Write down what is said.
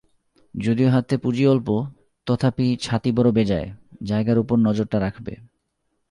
যদিও হাতে পুঁজি অল্প, তথাপি ছাতি বড় বেজায়, জায়গার উপর নজরটা রাখবে।